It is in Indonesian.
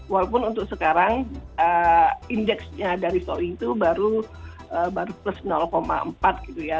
walaupun untuk sekarang indeksnya dari showing itu baru plus empat gitu ya